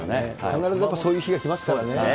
必ずやっぱり、そういう日が来ますからね。